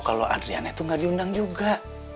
kalau adriana tuh gak diundang juga